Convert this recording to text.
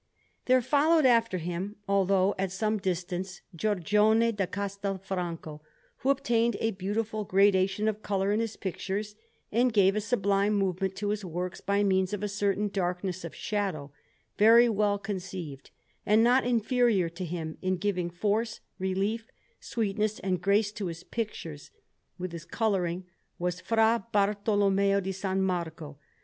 There followed after him, although at some distance, Giorgione da Castelfranco, who obtained a beautiful gradation of colour in his pictures, and gave a sublime movement to his works by means of a certain darkness of shadow, very well conceived; and not inferior to him in giving force, relief, sweetness, and grace to his pictures, with his colouring, was Fra Bartolommeo di San Marco.